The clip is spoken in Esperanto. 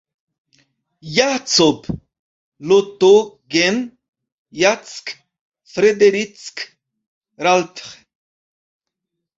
Jacob, Lt. Gen. Jack Frederick Ralph.